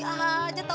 pusatnya udah marah